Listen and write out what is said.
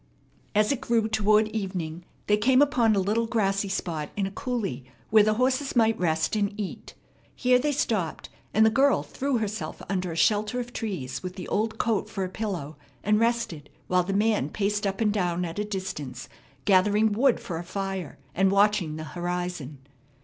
As it grew toward evening, they came upon a little grassy spot in a coulee where the horses might rest and eat. Here they stopped, and the girl threw herself under a shelter of trees, with the old coat for a pillow, and rested, while the man paced up and down at a distance, gathering wood for a fire, and watching the horizon.